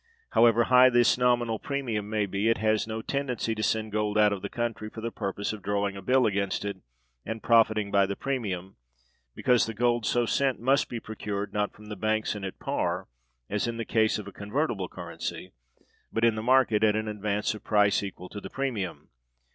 However high this nominal premium may be, it has no tendency to send gold out of the country for the purpose of drawing a bill against it and profiting by the premium; because the gold so sent must be procured, not from the banks and at par, as in the case of a convertible currency, but in the market, at an advance of price equal to the premium.